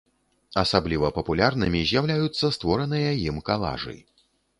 Асабліва папулярнымі з'яўляюцца створаныя ім калажы.